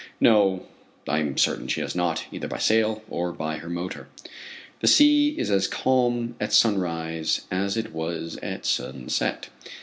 No, I am certain she has not, either by sail, or by her motor. The sea is as calm at sunrise as it was at sunset.